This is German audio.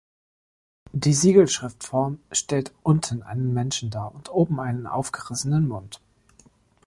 Die Siegelschriftform stellt unten einen Menschen dar und oben einen aufgerissenen Mund.